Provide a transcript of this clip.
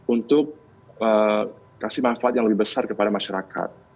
untuk kasih manfaat yang lebih besar kepada masyarakat